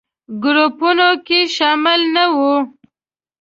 ګروپونو کې شامل نه وي.